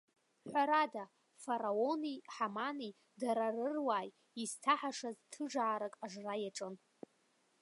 Ҳәарада, Фараони Ҳамани дара рыруааи изҭаҳашаз ҭыжаарак ажра иаҿын.